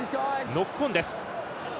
ノックオンです。